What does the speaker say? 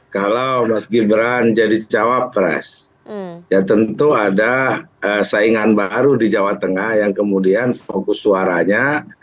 kalau mas gibran jadi cawapres ya tentu ada saingan baru di jawa tengah yang kemudian fokus suaranya